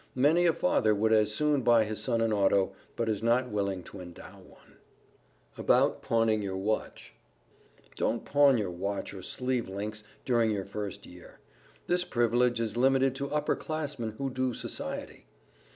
Many a father would as soon buy his son an auto, but is not willing to endow one. [Sidenote: ABOUT PAWNING YOUR WATCH] Don't pawn your watch or sleeve links during your first year. This privilege is limited to upper classmen who do Society.